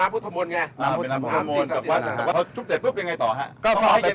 น้ำพุทธมลพอชุบเสร็จปุ๊บยังไงต่อฮะ